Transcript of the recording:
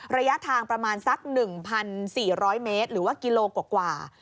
ระยะทางประมาณสัก๑๔๐๐เมตรหรือว่ากิโลกว่า